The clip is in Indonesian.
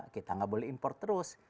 kita tidak boleh import terus